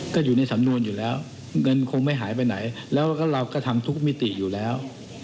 ก็อยู่ในสำนวนอยู่แล้วเงินคงไม่หายไปไหนแล้วก็เราก็ทำทุกมิติอยู่แล้ว